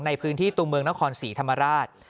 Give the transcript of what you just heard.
ในพื้นที่ตัวเมืองนครศรีธรรมราช